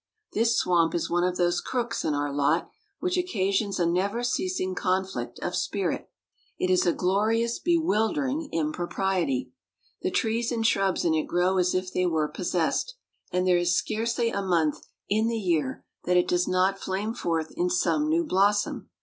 This swamp is one of those crooks in our lot which occasions a never ceasing conflict of spirit. It is a glorious, bewildering impropriety. The trees and shrubs in it grow as if they were possessed; and there is scarcely a month in the year that it does not flame forth in some new blossom.